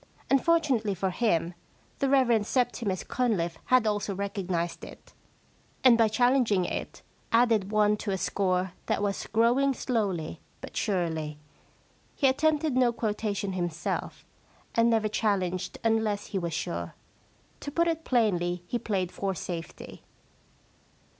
Un fortunately for him, the Rev. Septimus Cun lifFe had also recognised it, and by challenging 135 The Problem Club it added one to a score that was growing slowly but surely. He attempted no quota tion himself, and never challenged unless he was sure. To put it plainly, he played for safety.